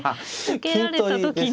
受けられた時に。